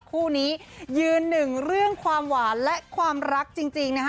คู่นี้ยืนหนึ่งเรื่องความหวานและความรักจริงนะฮะ